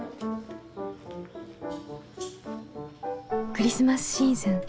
クリスマスシーズン